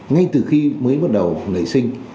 ngay từ khi mới bắt đầu nảy sinh